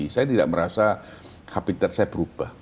saya tidak merasa habitat saya berubah